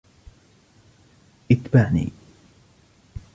إتبعني!